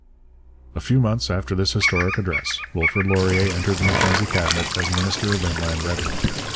A few months after this historic address Wilfrid Laurier entered the Mackenzie Cabinet as minister of Inland Revenue.